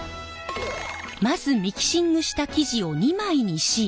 まずミキシングした生地を２枚にし